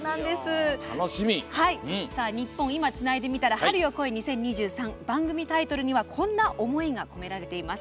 「ニッポン『今』つないでみたら春よ、来い２０２３」。番組タイトルにはこんな思いが込められています。